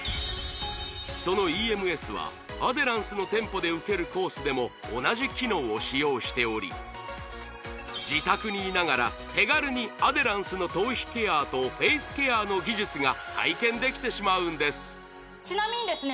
そのＥＭＳはアデランスの店舗で受けるコースでも同じ機能を使用しており自宅にいながら手軽にアデランスの頭皮ケアとフェイスケアの技術が体験できてしまうんですちなみにですね